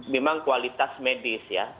memang kualitas medis ya